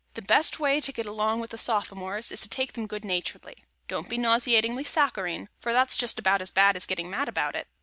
The best way to get along with Sophomores is to take them good naturedly. Don't be nauseatingly saccharine, for that's just about as bad as getting mad about it.